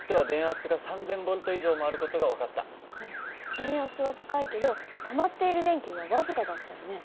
電圧は高いけどたまっている電気は僅かだったよね。